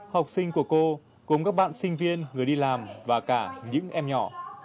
học sinh của cô cùng các bạn sinh viên người đi làm và cả những em nhỏ